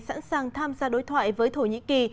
sẵn sàng tham gia đối thoại với thổ nhĩ kỳ